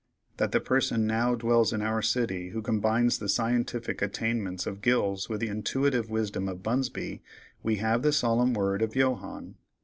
That the person now dwells in our city who combines the scientific attainments of Gills with the intuitive wisdom of Bunsby, we have the solemn word of Johannes.